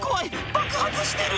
爆発してる！」